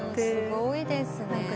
すごいですね。